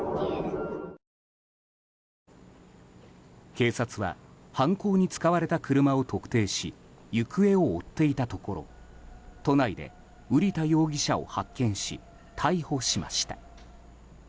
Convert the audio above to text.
警察は犯行に使われた車を特定し行方を追っていたところ都内で瓜田容疑者を発見し逮捕しました。